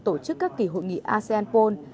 tổ chức các kỳ hội nghị asean napron